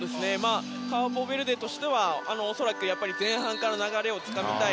カーボベルデとしては恐らく前半から流れをつかみたい。